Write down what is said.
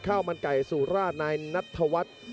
ข้าวมันไก่สุราชนายนัทธวัฒน์